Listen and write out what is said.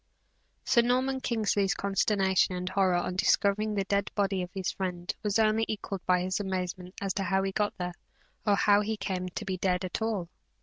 Sir Norman Kingsley's consternation and horror on discovering the dead body of his friend, was only equalled by his amazement as to how he got there, or how he came to be dead at all.